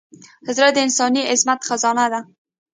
زړه د انساني عظمت خزانه ده.